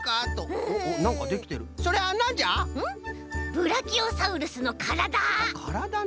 ブラキオサウルスのからだ！からだな。